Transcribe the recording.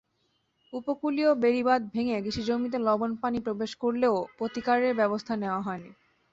উপকূলীয় বেড়িবাঁধ ভেঙে কৃষিজমিতে লবণ পানি প্রবেশ করলেও প্রতিকারে ব্যবস্থা নেওয়া হয়নি।